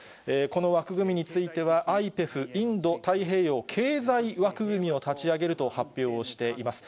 この枠組みについては、ＩＰＥＦ・インド太平洋経済枠組みを立ち上げると発表をしています。